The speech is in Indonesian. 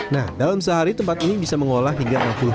nah dalam sehari tempat ini bisa mengolah hingga lima belas kali